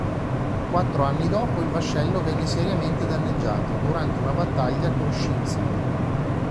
Quattro anni dopo il vascello venne seriamente danneggiato durante una battaglia con Shinzon.